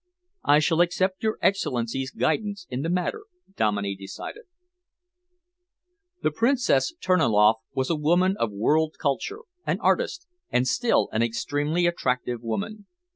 "I shall accept your Excellency's guidance in the matter," Dominey decided. The Princess Terniloff was a woman of world culture, an artist, and still an extremely attractive woman.